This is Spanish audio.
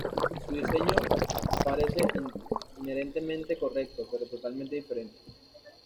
Su diseño parece inherentemente correcto, pero totalmente diferente.